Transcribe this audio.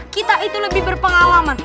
kita itu lebih berpengalaman